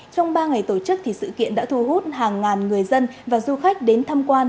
trong ba ngày tổ chức thì sự kiện đã thu hút hàng ngàn người dân và du khách đến thăm quan